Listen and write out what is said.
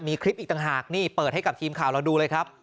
มีคลิปอีกต่างหากนี่เปิดให้กับทีมข่าวเราดูเลยครับ